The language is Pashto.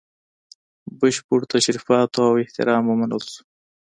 بشپړو تشریفاتو او احترام ومنل سو.